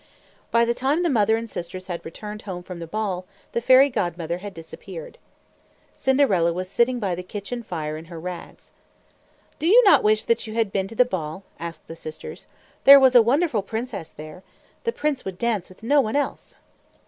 By the time the mother and sisters had returned home from the ball, the Fairy Godmother had disappeared. Cinderella was sitting by the kitchen fire in her rags. "Do you not wish that you had been to the ball?" asked the sisters. "There was a wonderful princess there. The prince would dance with no one else."